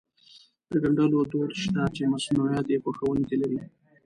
د ګنډلو دود شته چې مصنوعات يې خوښوونکي لري.